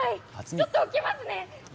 ちょっと置きますね。